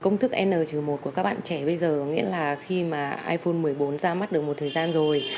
công thức n một của các bạn trẻ bây giờ có nghĩa là khi mà iphone một mươi bốn ra mắt được một thời gian rồi